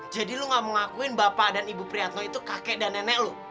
jadi lo nggak mau ngakuin bapak dan ibu priyadno itu kakek dan nenek lo